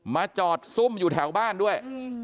มาจอดซุ่มอยู่แถวบ้านด้วย